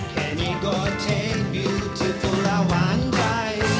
แค่นี้ก็เทควิวถึงตัวละหวังใจ